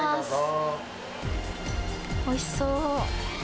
おいしそう。